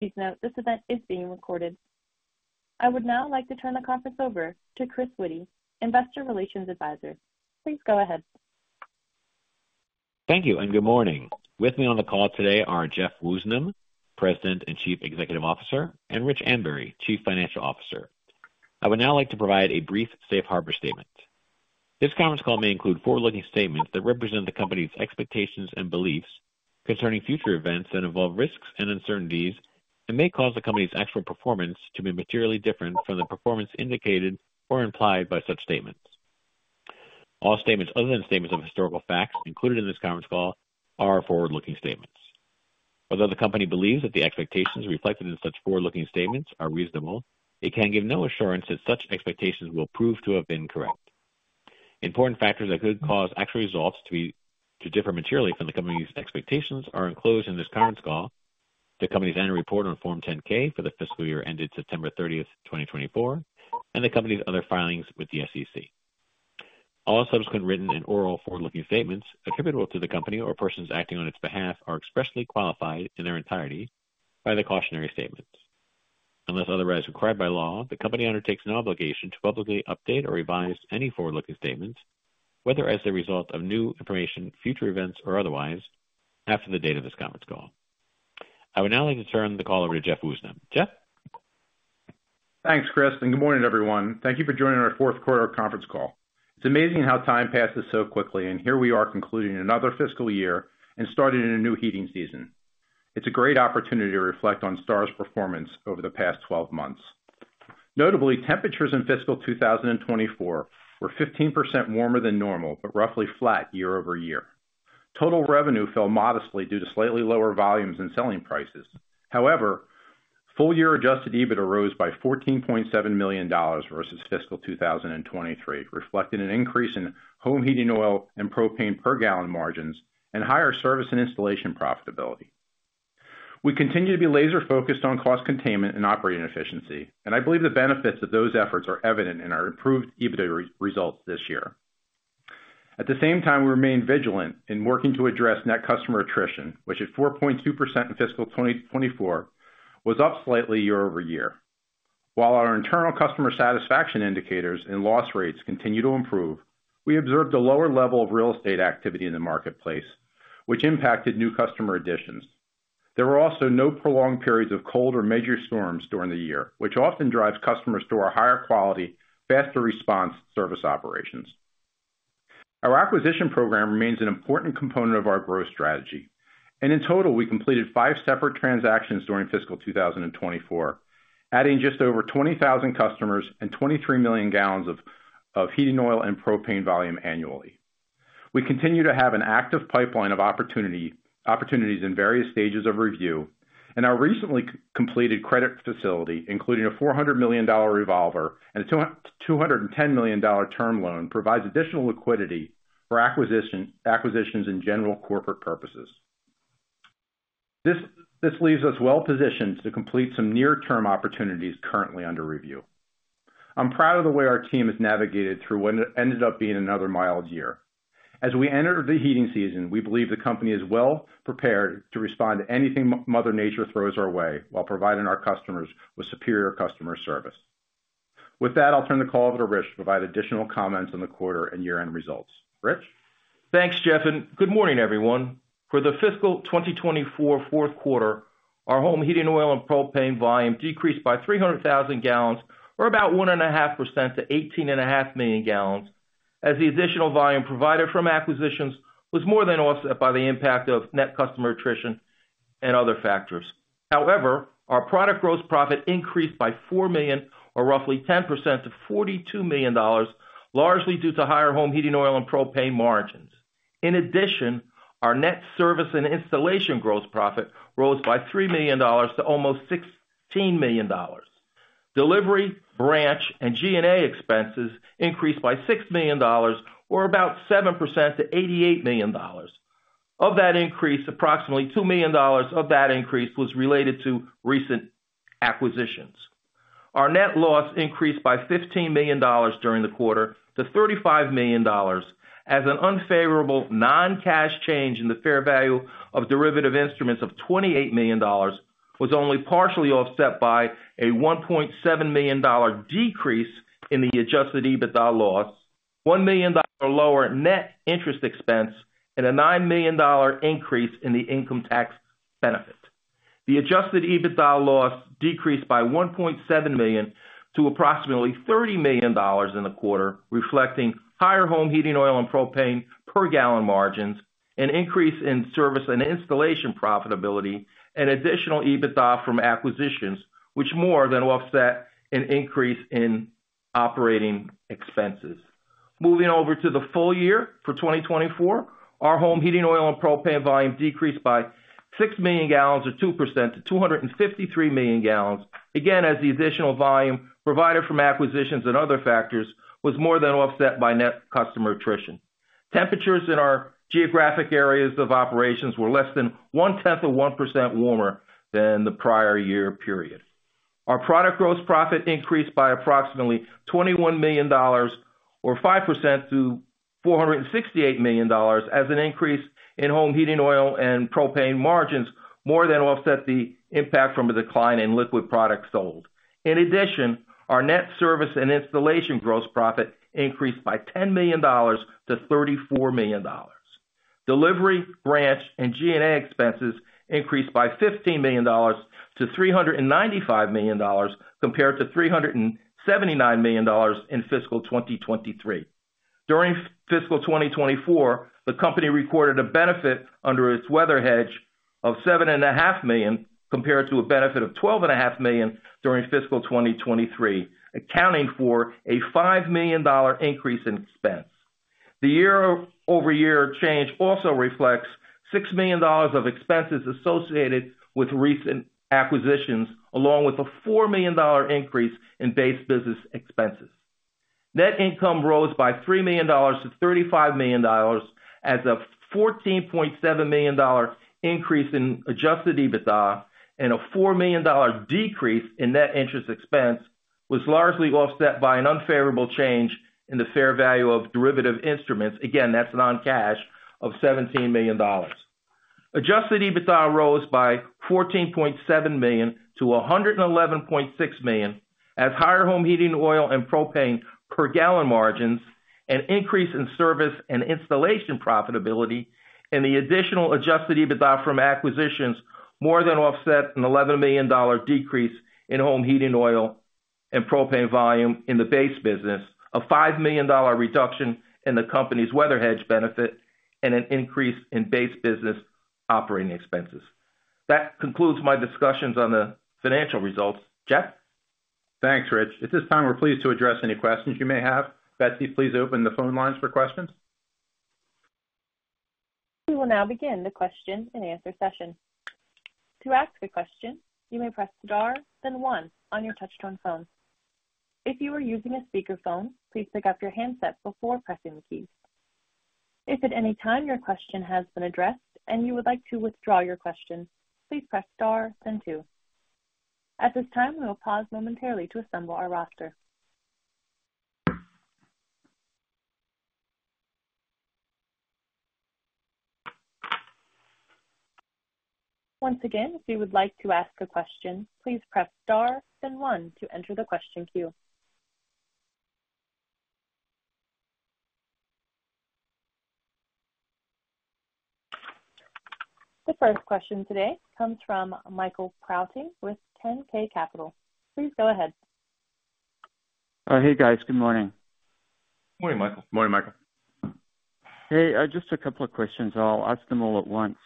Please note, this event is being recorded. I would now like to turn the conference over to Chris Witty, Investor Relations Advisor. Please go ahead. Thank you, and good morning. With me on the call today are Jeff Woosnam, President and Chief Executive Officer, and Rich Ambury, Chief Financial Officer. I would now like to provide a brief safe harbor statement. This conference call may include forward-looking statements that represent the company's expectations and beliefs concerning future events that involve risks and uncertainties and may cause the company's actual performance to be materially different from the performance indicated or implied by such statements. All statements other than statements of historical facts included in this conference call are forward-looking statements. Although the company believes that the expectations reflected in such forward-looking statements are reasonable, it can give no assurance that such expectations will prove to have been correct. Important factors that could cause actual results to differ materially from the company's expectations are enclosed in this conference call: the company's annual report on Form 10-K for the fiscal year ended September 30, 2024, and the company's other filings with the SEC. All subsequent written and oral forward-looking statements attributable to the company or persons acting on its behalf are expressly qualified in their entirety by the cautionary statements. Unless otherwise required by law, the company undertakes no obligation to publicly update or revise any forward-looking statements, whether as a result of new information, future events, or otherwise, after the date of this conference call. I would now like to turn the call over to Jeff Woosnam. Jeff? Thanks, Chris, and good morning, everyone. Thank you for joining our Q4 conference call. It's amazing how time passes so quickly, and here we are concluding another fiscal year and starting a new heating season. It's a great opportunity to reflect on Star's performance over the past 12 months. Notably, temperatures in fiscal 2024 were 15% warmer than normal but roughly flat year-over-year. Total revenue fell modestly due to slightly lower volumes and selling prices. However, full-year adjusted EBITDA rose by $14.7 million versus fiscal 2023, reflecting an increase in home heating oil and propane per gallon margins and higher service and installation profitability. We continue to be laser-focused on cost containment and operating efficiency, and I believe the benefits of those efforts are evident in our improved EBITDA results this year. At the same time, we remain vigilant in working to address net customer attrition, which at 4.2% in fiscal 2024 was up slightly year-over-year. While our internal customer satisfaction indicators and loss rates continue to improve, we observed a lower level of real estate activity in the marketplace, which impacted new customer additions. There were also no prolonged periods of cold or major storms during the year, which often drives customers to our higher quality, faster-response service operations. Our acquisition program remains an important component of our growth strategy, and in total, we completed five separate transactions during fiscal 2024, adding just over 20,000 customers and 23 million gallons of heating oil and propane volume annually. We continue to have an active pipeline of opportunities in various stages of review, and our recently completed credit facility, including a $400 million revolver and a $210 million term loan, provides additional liquidity for acquisitions and general corporate purposes. This leaves us well-positioned to complete some near-term opportunities currently under review. I'm proud of the way our team has navigated through what ended up being another mild year. As we enter the heating season, we believe the company is well prepared to respond to anything Mother Nature throws our way while providing our customers with superior customer service. With that, I'll turn the call over to Rich to provide additional comments on the quarter and year-end results. Rich? Thanks, Jeff, and good morning, everyone. For the fiscal 2024 Q4, our home heating oil and propane volume decreased by 300,000 gallons, or about 1.5% to 18.5 million gallons, as the additional volume provided from acquisitions was more than offset by the impact of net customer attrition and other factors. However, our product gross profit increased by $4 million, or roughly 10% to $42 million, largely due to higher home heating oil and propane margins. In addition, our net service and installation gross profit rose by $3 million to almost $16 million. Delivery, branch, and G&A expenses increased by $6 million, or about 7% to $88 million. Of that increase, approximately $2 million of that increase was related to recent acquisitions. Our net loss increased by $15 million during the quarter to $35 million, as an unfavorable non-cash change in the fair value of derivative instruments of $28 million was only partially offset by a $1.7 million decrease in the adjusted EBITDA loss, $1 million lower net interest expense, and a $9 million increase in the income tax benefit. The adjusted EBITDA loss decreased by $1.7 million to approximately $30 million in the quarter, reflecting higher home heating oil and propane per gallon margins, an increase in service and installation profitability, and additional EBITDA from acquisitions, which more than offset an increase in operating expenses. Moving over to the full year for 2024, our home heating oil and propane volume decreased by 6 million gallons, or 2%, to 253 million gallons, again as the additional volume provided from acquisitions and other factors was more than offset by net customer attrition. Temperatures in our geographic areas of operations were less than 1/10 of 1% warmer than the prior year period. Our product gross profit increased by approximately $21 million, or 5% to $468 million, as an increase in home heating oil and propane margins more than offset the impact from a decline in liquid products sold. In addition, our net service and installation gross profit increased by $10 million to $34 million. Delivery, branch, and G&A expenses increased by $15 million to $395 million compared to $379 million in fiscal 2023. During fiscal 2024, the company recorded a benefit under its weather hedge of $7.5 million compared to a benefit of $12.5 million during fiscal 2023, accounting for a $5 million increase in expense. The year-over-year change also reflects $6 million of expenses associated with recent acquisitions, along with a $4 million increase in base business expenses. Net income rose by $3 million to $35 million as a $14.7 million increase in adjusted EBITDA and a $4 million decrease in net interest expense was largely offset by an unfavorable change in the fair value of derivative instruments, again, that's non-cash of $17 million. Adjusted EBITDA arose by $14.7 million to $111.6 million as higher home heating oil and propane per gallon margins, an increase in service and installation profitability, and the additional adjusted EBITDA from acquisitions more than offset an $11 million decrease in home heating oil and propane volume in the base business, a $5 million reduction in the company's weather hedge benefit, and an increase in base business operating expenses. That concludes my discussions on the financial results. Jeff? Thanks, Rich. At this time, we're pleased to address any questions you may have. Betsy, please open the phone lines for questions. We will now begin the question-and-answer session. To ask a question, you may press star, then one, on your touch-tone phone. If you are using a speakerphone, please pick up your handset before pressing the keys. If at any time your question has been addressed and you would like to withdraw your question, please press star, then two. At this time, we will pause momentarily to assemble our roster. Once again, if you would like to ask a question, please press star, then one, to enter the question queue. The first question today comes from Michael Prouting with 10K Capital. Please go ahead. Hey, guys. Good morning. Morning, Michael. Morning, Michael. Hey, just a couple of questions. I'll ask them all at once.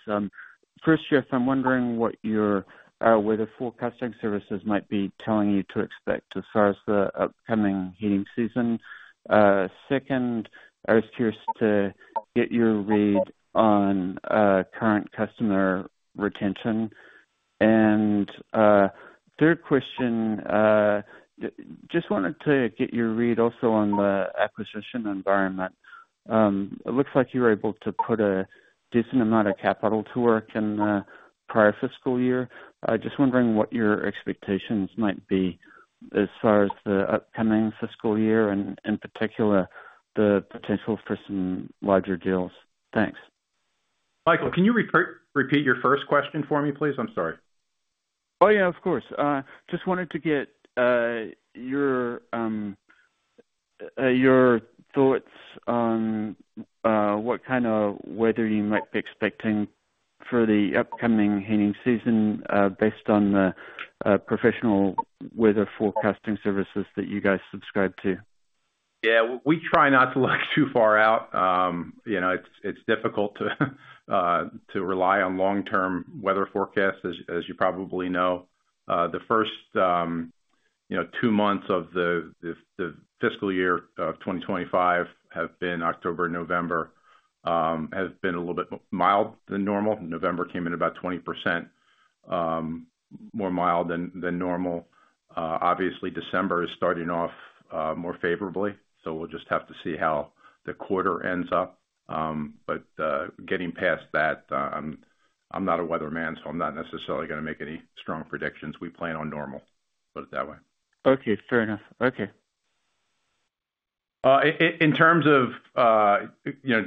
First, Jeff, I'm wondering what your weather forecasting services might be telling you to expect as far as the upcoming heating season. Second, I was curious to get your read on current customer retention. And third question, just wanted to get your read also on the acquisition environment. It looks like you were able to put a decent amount of capital to work in the prior fiscal year. Just wondering what your expectations might be as far as the upcoming fiscal year and, in particular, the potential for some larger deals. Thanks. Michael, can you repeat your first question for me, please? I'm sorry. Oh, yeah, of course. Just wanted to get your thoughts on what kind of weather you might be expecting for the upcoming heating season based on the professional weather forecasting services that you guys subscribe to. Yeah, we try not to look too far out. It's difficult to rely on long-term weather forecasts, as you probably know. The first two months of the fiscal year of 2025 have been October and November, a little bit milder than normal. November came in about 20% more mild than normal. Obviously, December is starting off more favorably, so we'll just have to see how the quarter ends up. But getting past that, I'm not a weather man, so I'm not necessarily going to make any strong predictions. We plan on normal. Put it that way. Okay. Fair enough. Okay. In terms of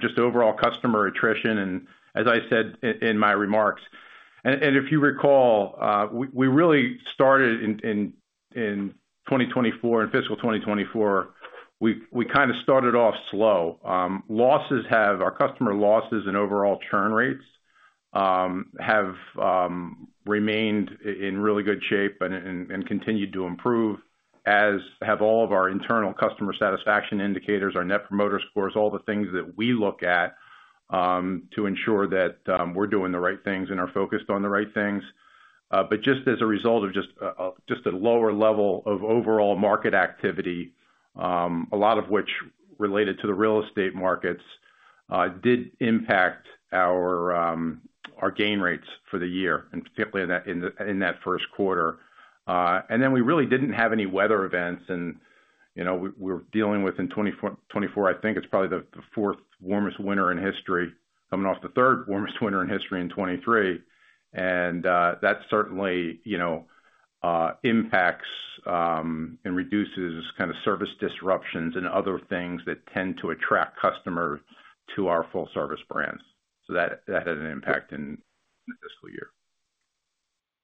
just overall customer attrition, and as I said in my remarks, and if you recall, we really started in 2024, in fiscal 2024, we kind of started off slow. Our customer losses and overall churn rates have remained in really good shape and continued to improve, as have all of our internal customer satisfaction indicators, our Net Promoter Scores, all the things that we look at to ensure that we're doing the right things and are focused on the right things. But just as a result of just a lower level of overall market activity, a lot of which related to the real estate markets, did impact our gain rates for the year, and particularly in that Q1, and then we really didn't have any weather events. We're dealing with, in 2024, I think it's probably the fourth warmest winter in history, coming off the third warmest winter in history in 2023. That certainly impacts and reduces kind of service disruptions and other things that tend to attract customers to our full-service brands. That had an impact in the fiscal year.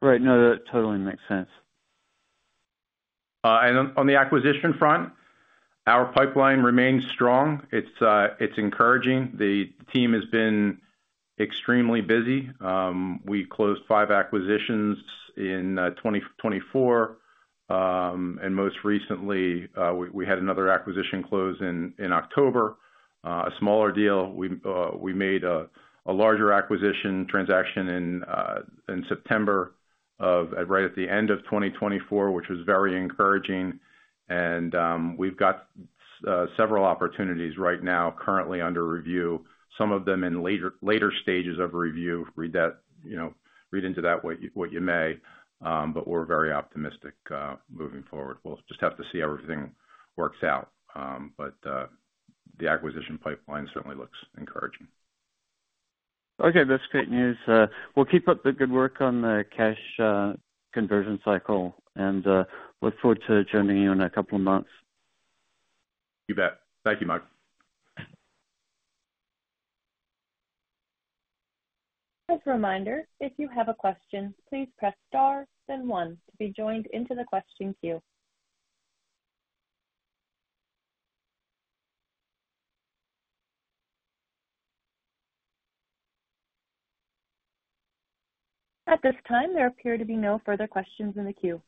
Right. No, that totally makes sense. On the acquisition front, our pipeline remains strong. It's encouraging. The team has been extremely busy. We closed five acquisitions in 2024, and most recently, we had another acquisition close in October, a smaller deal. We made a larger acquisition transaction in September, right at the end of 2024, which was very encouraging. We've got several opportunities right now, currently under review, some of them in later stages of review. Read into that what you may, but we're very optimistic moving forward. We'll just have to see how everything works out. The acquisition pipeline certainly looks encouraging. Okay. That's great news. We'll keep up the good work on the cash conversion cycle and look forward to joining you in a couple of months. You bet. Thank you, Michael. As a reminder, if you have a question, please press star, then one, to be joined into the question queue. At this time, there appear to be no further questions in the queue.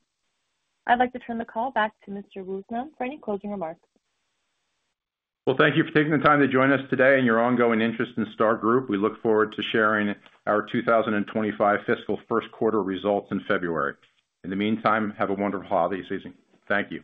I'd like to turn the call back to Mr. Woosnam for any closing remarks. Thank you for taking the time to join us today and your ongoing interest in Star Group. We look forward to sharing our 2025 fiscal Q1 results in February. In the meantime, have a wonderful holiday season. Thank you.